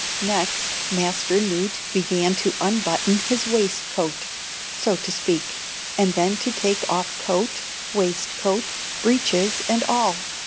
Next, Master Newt began to unbutton his waistcoat, so to speak, and then to take off coat, waistcoat, breeches and all.